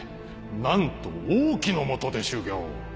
なんと王騎の下で修業を。